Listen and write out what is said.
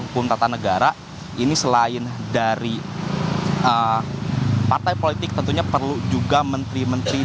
pun tata negara ini selain dari partai politik tentunya perlu juga menteri menteri